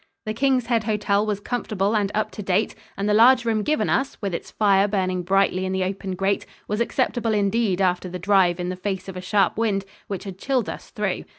The King's Head Hotel was comfortable and up to date, and the large room given us, with its fire burning brightly in the open grate, was acceptable indeed after the drive in the face of a sharp wind, which had chilled us through.